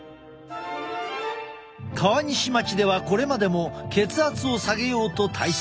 川西町ではこれまでも血圧を下げようと対策。